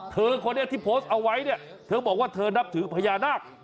คนนี้ที่โพสต์เอาไว้เนี่ยเธอบอกว่าเธอนับถือพญานาค